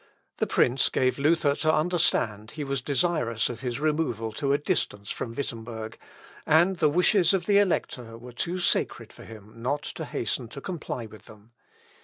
The prince gave Luther to understand he was desirous of his removal to a distance from Wittemberg; and the wishes of the Elector were too sacred for him not to hasten to comply with them.